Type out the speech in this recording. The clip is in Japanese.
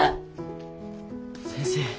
先生。